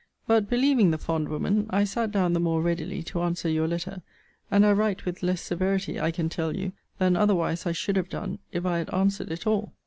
But, believing the fond woman, I sat down the more readily to answer your letter; and I write with less severity, I can tell you, than otherwise I should have done, if I had answered it all.